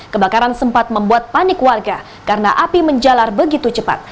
kebakaran sempat membuat panik warga karena api menjalar begitu cepat